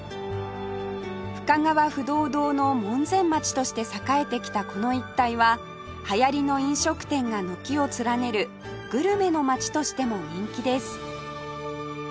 深川不動堂の門前町として栄えてきたこの一帯は流行りの飲食店が軒を連ねるグルメの街としても人気です